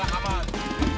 hoh pak mel santa